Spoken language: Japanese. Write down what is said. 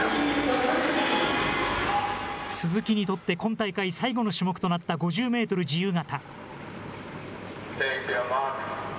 鈴木にとって、今大会最後の種目となった５０メートル自由形。